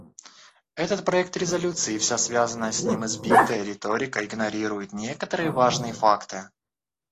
Этот проект резолюции и вся связанная с ним избитая риторика игнорируют некоторые важные факты.